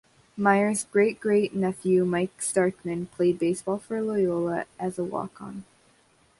Meyer's great-great nephew, Mike Starkman, played basketball for Loyola as a walk-on.